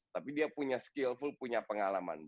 tapi dia punya skill full punya pengalaman